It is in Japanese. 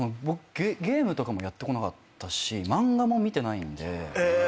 ゲームとかもやってこなかったし漫画も見てないんで。